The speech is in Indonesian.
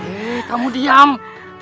eh cakep juga din ayo kejar